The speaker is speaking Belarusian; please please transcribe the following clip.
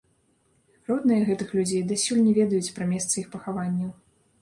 Родныя гэтых людзей дасюль не ведаюць пра месцы іх пахаванняў.